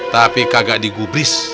tapi kagak digubris